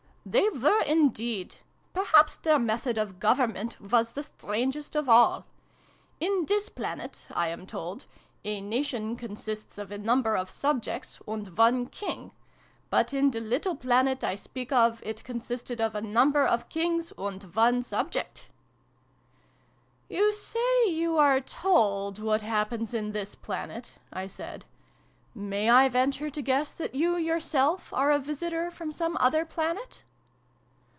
" They were indeed ! Perhaps their method of government was the strangest of all. In this planet, I am told, a Nation consists of a number of Subjects, and one King : but, in the little planet I speak of, it consisted of a number of Kings, and one Subject !"" You say you are ' told ' what happens in this planet," I said. "May I venture to guess that you yourself are a visitor from some other planet